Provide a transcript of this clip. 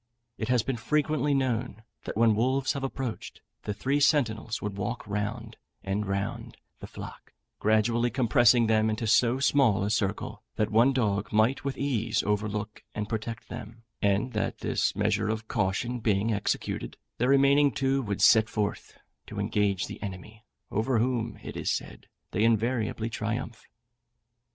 It has been frequently known, that when wolves have approached, the three sentinels would walk round and round the flock, gradually compressing them into so small a circle that one dog might with ease overlook and protect them, and that this measure of caution being executed, the remaining two would set forth to engage the enemy, over whom, it is said, they invariably triumph.